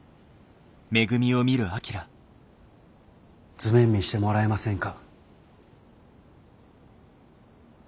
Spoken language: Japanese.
図面見してもらえませんか？